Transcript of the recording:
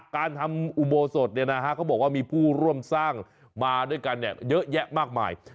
การทำอุโบสถเขาบอกว่ามีผู้ร่วมสร้างมาด้วยกันเยอะแยะมากมาย